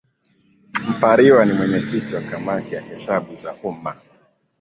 Mpariwa ni mwenyekiti wa Kamati ya Hesabu za Umma.